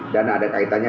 dan ada kaitannya